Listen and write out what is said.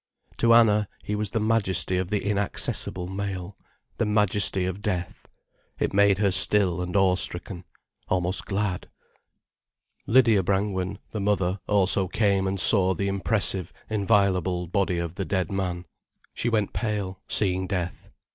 To Anna, he was the majesty of the inaccessible male, the majesty of death. It made her still and awe stricken, almost glad. Lydia Brangwen, the mother, also came and saw the impressive, inviolable body of the dead man. She went pale, seeing death.